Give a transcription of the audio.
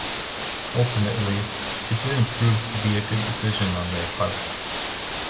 Ultimately, it didn't prove to be a good decision on their part.